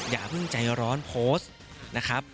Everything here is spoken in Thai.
อย่าเพิ่งใจร้อนโพสต์นะครับ